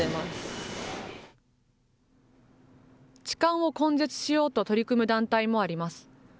痴漢を根絶しようと取り組む団体もあります。